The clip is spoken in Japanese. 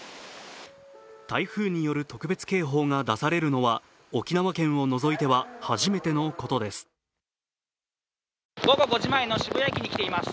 台風による特別警報が出されるのは、沖縄県を除いては初めてのことです。